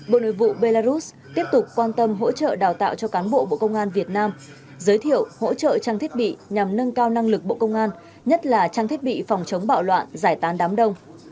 bộ nội vụ belarus tiếp tục quan tâm hỗ trợ đào tạo cho cán bộ bộ công an việt nam giới thiệu hỗ trợ trang thiết bị nhằm nâng cao năng lực bộ công an nhất là trang thiết bị phòng chống bạo loạn giải tán đám đông